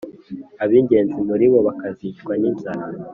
Ab’ingenzi muri bo bakazicwa n’inzara,